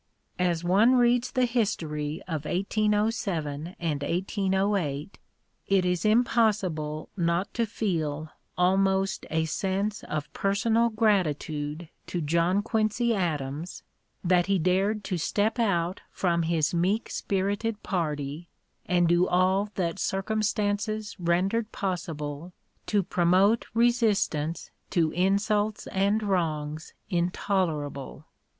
As one reads the history of 1807 and 1808 it is impossible not to feel almost a sense of personal gratitude to John Quincy Adams that he dared to step out from his meek spirited party and do all that circumstances rendered possible to promote resistance to insults and wrongs intolerable.